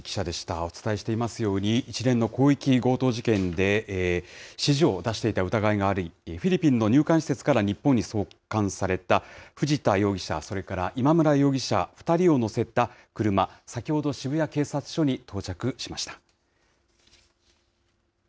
お伝えしていますように、一連の広域強盗事件で指示を出していた疑いがあり、フィリピンの入管施設から日本に送還された藤田容疑者、それから今村容疑者２人を乗せた車、先ほど渋谷警察署に到着しました。